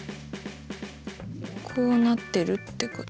こうなってるってこと？